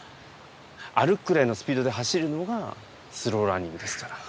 歩くくらいのスピードで走るのがスローランニングですから。